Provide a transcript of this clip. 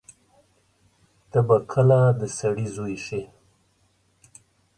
ته به کله د سړی زوی سې.